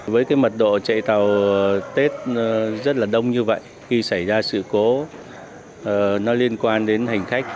với cái mật độ chạy tàu tết rất là đông như vậy khi xảy ra sự cố nó liên quan đến hành khách